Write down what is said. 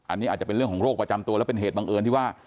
อันนี้อาจจะเป็นเรื่องของโรคประจำตัวแล้วเป็นเหตุบังเอิญที่ว่า